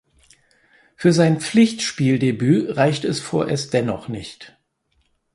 Für sein Pflichtspieldebüt reichte es vorerst dennoch nicht.